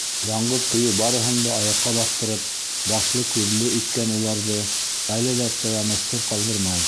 Яңғыҙ көйө барыһын да аяҡҡа баҫтырып, башлы-күҙле иткән уларҙы, әле лә таянысһыҙ ҡалдырмай.